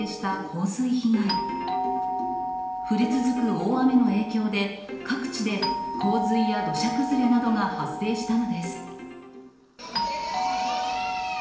降り続く大雨の影響で、各地で洪水や土砂崩れなどが発生したのです。